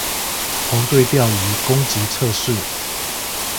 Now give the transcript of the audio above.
紅隊釣魚攻擊測試